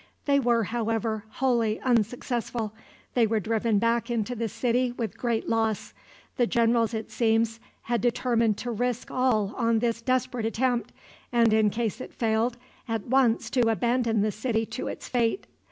They were, however, wholly unsuccessful. They were driven back into the city with great loss. The generals, it seems, had determined to risk all on this desperate attempt, and, in case it failed, at once to abandon the city to its fate.